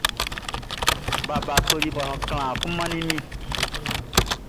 Baba toli balɔn klanhan kun man mi.